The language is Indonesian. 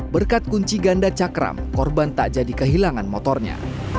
berkat kunci ganda cakram korban tak jadi kehilangan motornya